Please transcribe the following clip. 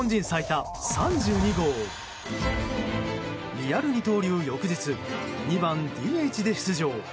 リアル二刀流翌日２番ＤＨで出場。